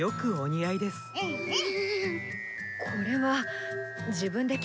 えっ？